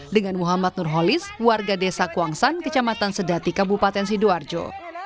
dengan muhammad nurholis warga desa kuangsan kecamatan sedati kabupaten sidoarjo